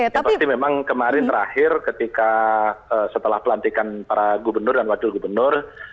yang pasti memang kemarin terakhir ketika setelah pelantikan para gubernur dan wakil gubernur